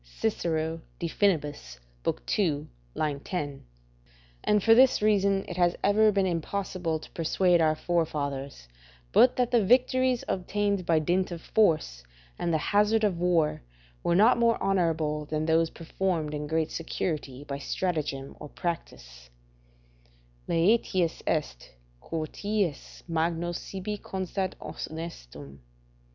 Cicero, De Finib. ii. 10.] And for this reason it has ever been impossible to persuade our forefathers but that the victories obtained by dint of force and the hazard of war were not more honourable than those performed in great security by stratagem or practice: "Laetius est, quoties magno sibi constat honestum."